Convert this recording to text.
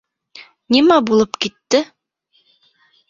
Нимә булып китте?